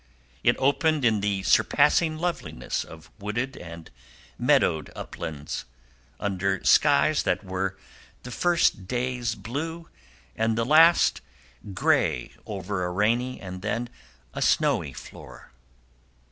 It opened in the surpassing loveliness of wooded and meadowed uplands, under skies that were the first days blue, and the last gray over a rainy and then a snowy floor.